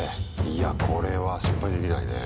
いや、これは失敗できないね。